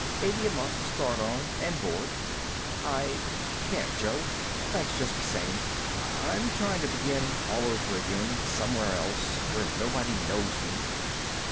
Eighty a month to start on, and board." "I can't, Jo. Thanks just the same. I'm going to try to begin all over again, somewhere else, where nobody knows me."